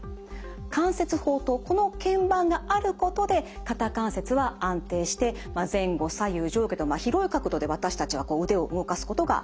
関節包とこのけん板があることで肩関節は安定して前後左右上下と広い角度で私たちはこう腕を動かすことができるわけです。